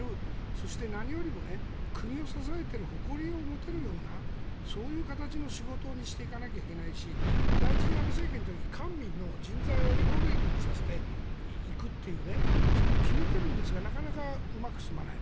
そして何よりも国を支えている誇りを持てるようなそういう形の仕事にしていかなきゃいけないし第１次安倍政権の時に官民の人材をリボルビングさせていくってそういうのを決めているんですがなかなかうまく進まない。